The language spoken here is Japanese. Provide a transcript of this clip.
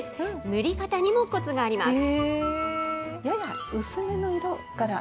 塗り方にもこつがあります。